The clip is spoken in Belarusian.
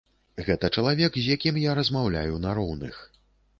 Гэта чалавек, з якім я размаўляю на роўных.